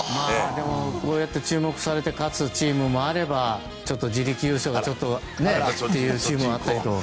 こうやって注目された勝つチームもあれば自力優勝がというチームもあると。